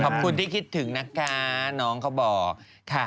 ขอบคุณที่คิดถึงนะก๊า๊น้องเขาบอก